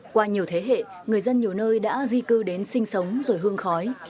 qua nhiều thế hệ người dân nhiều nơi đã di cư đến sinh sống rồi hương khói